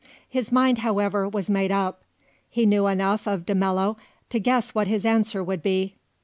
His mind, however, was made up. He knew enough of De Mello to guess what his answer would be.